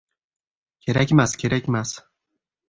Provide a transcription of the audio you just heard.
Kerakmas, kerakmas!